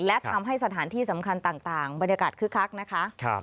และทำให้สถานที่สำคัญต่างบรรยากาศคึกคักนะคะ